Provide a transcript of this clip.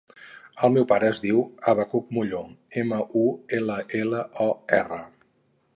El meu pare es diu Abacuc Mullor: ema, u, ela, ela, o, erra.